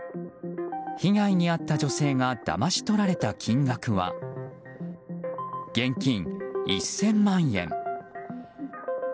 被害に遭った女性がだまし取られた金額は現金１０００万円。